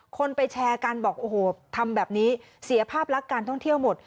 คนไปแชร์กันบอกโอ้โหทำแบบนี้เสียภาพลักษณ์การท่องเที่ยวหมด